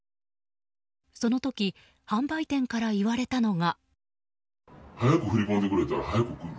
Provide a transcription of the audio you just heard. その時、販売店から言われたのが。